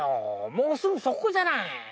もうすぐそこじゃない！